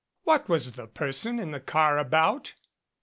What was the person in the car about?